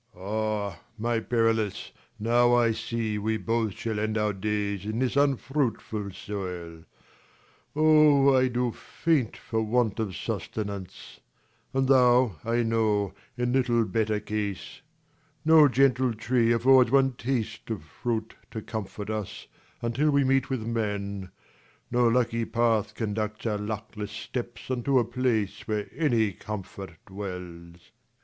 Lelr. Ah, my Perillus, now I see we both 20 Shall end our days in this unfruitful soil, Oh, I do faint for want of sustenance : And thou, I know, in little better case. No gentle tree affords one taste of fruit, To comfort us, until we meet with men : 25 No lucky path conducts our luckless steps Unto a place where any comfort dwells.